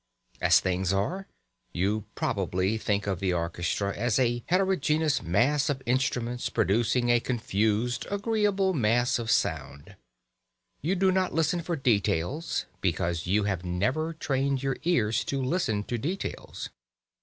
As things are, you probably think of the orchestra as a heterogeneous mass of instruments producing a confused agreeable mass of sound. You do not listen for details because you have never trained your ears to listen to details.